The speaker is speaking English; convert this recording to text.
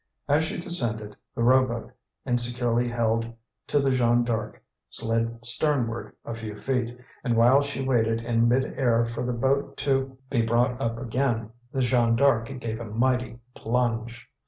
As she descended, the rowboat, insecurely held to the Jeanne D'Arc, slid sternward a few feet; and while she waited in midair for the boat to be brought up again, the Jeanne D'Arc gave a mighty plunge.